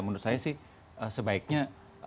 menurut saya sih sebaiknya